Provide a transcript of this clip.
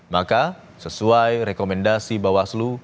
maka sesuai rekomendasi bawaslu